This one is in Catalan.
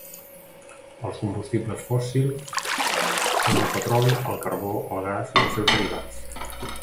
Els combustibles fòssils són el petroli, el carbó, el gas i els seus derivats.